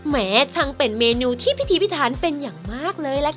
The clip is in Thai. แหมช่างเป็นเมนูที่พิธีพิธานเป็นอย่างมากเลยล่ะค่ะ